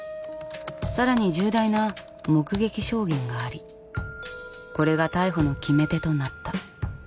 更に重大な目撃証言がありこれが逮捕の決め手となった。